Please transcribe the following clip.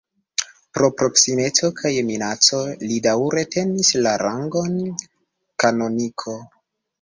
Pro proksimeco kaj minaco li daŭre tenis la rangon kanoniko.